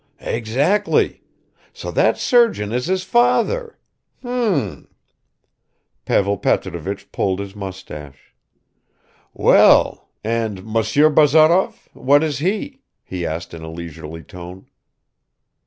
"Exactly. So that surgeon is his father. Hm!" Pavel Petrovich pulled his mustache. "Well, and Monsieur Bazarov, what is he?" he asked in a leisurely tone.